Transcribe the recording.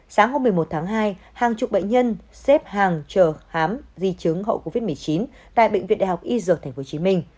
sáng hôm một mươi một tháng hai hàng chục bệnh nhân xếp hàng chờ khám di chứng hậu covid một mươi chín tại bệnh viện đại học y dược tp hcm